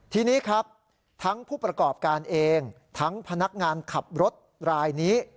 ทีนี้ครับทั้งผู้ประกอบการเองทั้งพนักงานขับรถรายนี้